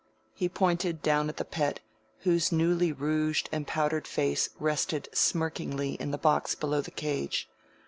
He pointed down at the Pet, whose newly rouged and powdered face rested smirkingly in the box below the cage.